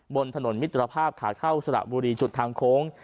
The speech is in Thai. บนถนนมิตรภาพขาเข้าสระบุรีจุดทางโค้ง